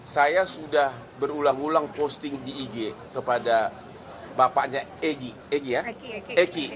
saya sudah berulang ulang posting di ig kepada bapaknya egy